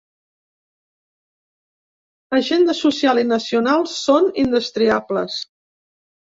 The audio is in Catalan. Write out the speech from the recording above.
Agenda social i nacional són indestriables.